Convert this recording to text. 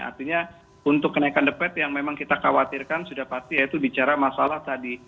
artinya untuk kenaikan the fed yang memang kita khawatirkan sudah pasti yaitu bicara masalah tadi